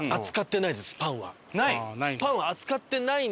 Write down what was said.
ない？